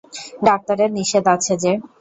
ডাক্তারের নিষেধ আছে যে।